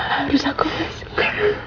harus aku masuk